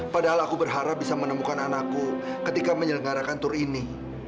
padahal aku berharap bisa menemukan anakku ketika menyelenggarakan tur ini